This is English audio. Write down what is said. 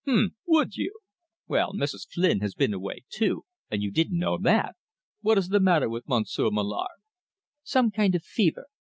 "H'm! Would you? Well, Mrs. Flynn has been away too and you didn't know that! What is the matter with Monsieur Mallard?" "Some kind of fever.